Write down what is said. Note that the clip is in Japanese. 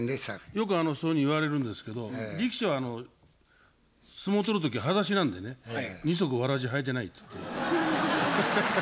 よくそういうふうに言われるんですけど力士は相撲取る時はだしなんでね二足わらじ履いてないつって。